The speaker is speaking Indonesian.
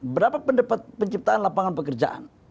berapa pendapat penciptaan lapangan pekerjaan